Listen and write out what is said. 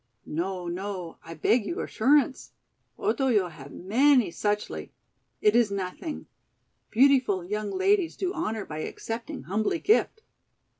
"No, no. I beg you assurance. Otoyo have many suchly. It is nothing. Beautiful young ladies do honor by accepting humbly gift."